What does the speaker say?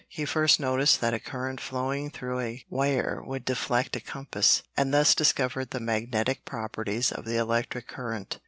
He first noticed that a current flowing through a wire would deflect a compass, and thus discovered the magnetic properties of the electric current.